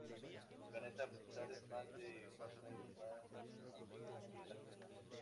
El planeta púlsar es más de cuatro veces más masivo que la Tierra.